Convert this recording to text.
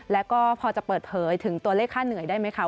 แล้วก็พอจะเปิดเผยถึงตัวเลขค่าเหนื่อยได้ไหมคะ